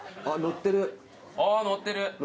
あっ乗ってる。